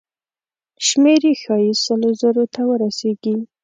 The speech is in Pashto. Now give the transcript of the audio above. شمېر یې ښایي سلو زرو ته ورسیږي.